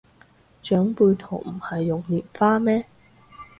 長輩圖唔係用蓮花咩